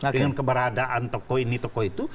dengan keberadaan tokoh ini tokoh itu